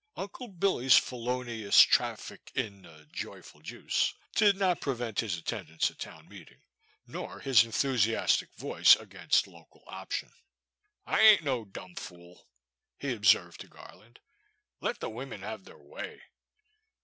Uncle Billy's felonious traffic in the *'j'yfull juice," did not prevent his attendance at town meeting, nor his enthusiastic voice against local option. I ain't no dum fool," he observed to Gar land, let the wimmen hev their way."